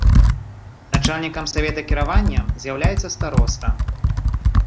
Начальнікам савета кіравання з'яўляецца староста.